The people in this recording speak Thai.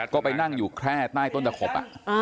ก็ไปนั่งอยู่แค่ใต้ต้นตะขบ